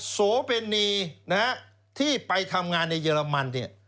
โสเพณีนะฮะที่ไปทำงานในเยอรมันเนี่ย